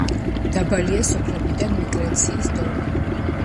დაბალია სოფლიდან მიგრაციის დონე.